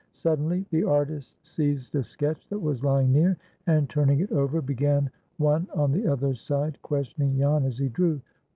Suddenly the artist seized a sketch that was lying near, and, turning it over, began one on the other side, questioning Jan as he drew.